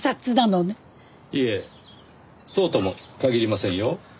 いえそうとも限りませんよ。